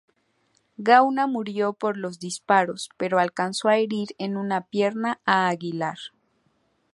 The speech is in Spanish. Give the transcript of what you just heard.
Gauna murió por los disparos pero alcanzó a herir en una pierna a Aguilar.